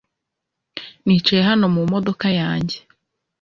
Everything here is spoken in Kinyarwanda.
Nicaye hano mu modoka yanjye